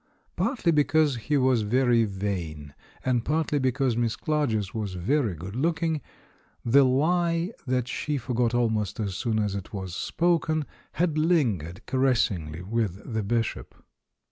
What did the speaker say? Partly because he was very vain, and partly be cause Miss Clarges was very good looking, the lie that she forgot almost as soon as it was spoken had hngered caressingly with the Bishop.